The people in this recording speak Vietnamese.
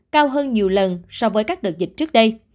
cao hơn nhiều lần so với các đợt dịch trước đây